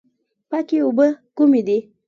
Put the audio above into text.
پاکې اوبه کومې دي؟